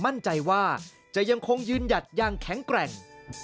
มั่นใจว่าจะยังคงยืนหยัดอย่างแข็งแกร่ง